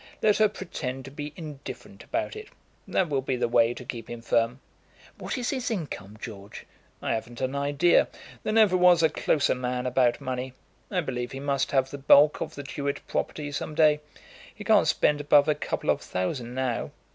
Let her pretend to be indifferent about it; that will be the way to keep him firm." "What is his income, George?" "I haven't an idea. There never was a closer man about money. I believe he must have the bulk of the Tewett property some day. He can't spend above a couple of thousand now."